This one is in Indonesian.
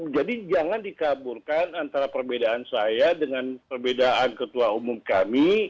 jadi jangan dikaburkan antara perbedaan saya dengan perbedaan ketua umum kami